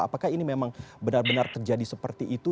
apakah ini memang benar benar terjadi seperti itu